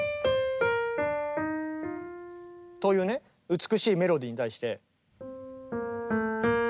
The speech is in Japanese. というね美しいメロディーに対して。